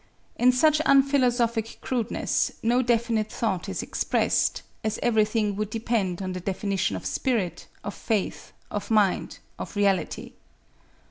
In such unphilosophic crudeness, no definite thought is expressed, as everything would depend on the definition of spirit, of faith, of mind, of reality.